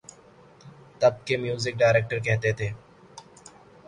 تب کے music director کہتے تھے۔